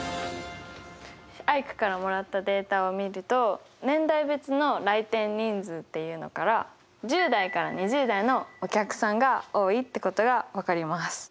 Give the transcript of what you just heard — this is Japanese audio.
アイクからもらったデータを見ると年代別の来店人数っていうのから１０代から２０代のお客さんが多いってことが分かります。